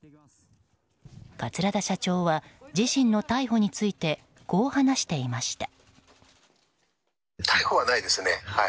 桂田社長は、自身の逮捕についてこう話していました。